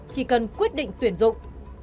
chỉ cần quyết định tuyển dụng